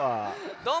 どうも。